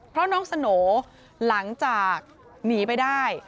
เพราะน้องสโหน่หลังจากหนีไปได้